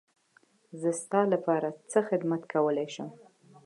زه ستا لپاره څه خدمت کولی شم.